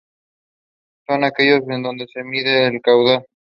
Son aquellos en donde se mide el caudal.